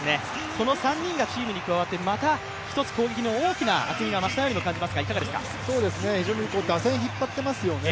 この３人がチームに加わってまた１つ、攻撃の厚みが増した気がしますが、いかがですか非常に打線を引っ張っていますよね。